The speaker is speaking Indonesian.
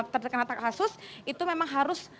terkena kasus itu memang harus